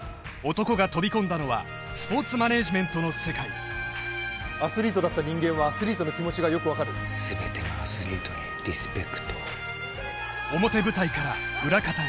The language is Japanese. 男が飛び込んだのはスポーツマネージメントの世界アスリートだった人間はアスリートの気持ちがよく分かる「すべてのアスリートにリスペクトを」